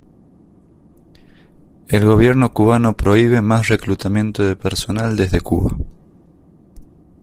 El gobierno cubano prohíbe más reclutamiento de personal desde Cuba.